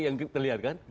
yang terlihat kan